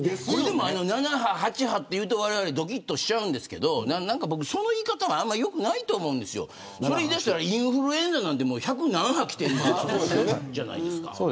これでも７波、８波って言うと、われわれどきっとしちゃうんですけど何か、僕その言い方もあんまりよくないと思うんですよ、それ言いだしたらインフルエンザなんてもう百なん波きてるじゃないですか。